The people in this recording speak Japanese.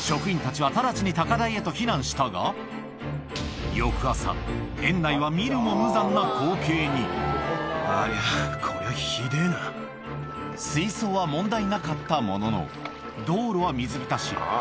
職員たちは直ちに高台へと避難したが、翌朝、園内は見るも無残なありゃー、水槽は問題なかったものの、道路は水浸し。